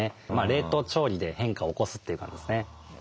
冷凍調理で変化を起こすという感じですね。